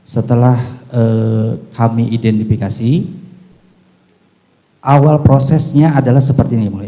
setelah kami identifikasi awal prosesnya adalah seperti ini